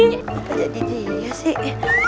apa jadi dia sih